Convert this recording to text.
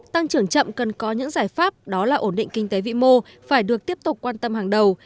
tăng trưởng chậm cần có những giải pháp đó là ổn định kinh tế vĩ mô phải được tiếp tục quan tâm hàng đầu